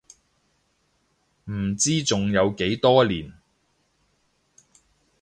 唔知仲有幾多年